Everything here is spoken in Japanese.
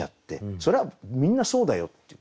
それはみんなそうだよっていう。